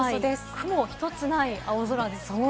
雲一つない青空ですね。